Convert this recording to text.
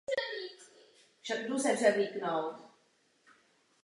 Podobně lineárně uspořádané množiny jsou právě modely teorie lineárních uspořádání.